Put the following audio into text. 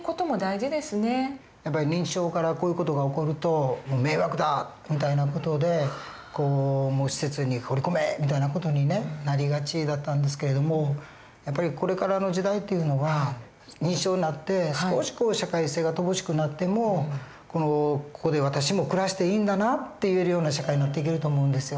やっぱり認知症からこういう事が起こると「迷惑だ！」みたいな事で施設に放り込めみたいな事にねなりがちだったんですけれどもやっぱりこれからの時代っていうのは認知症になって少し社会性が乏しくなっても「ここで私も暮らしていいんだな」って言えるような社会になっていけると思うんですよ。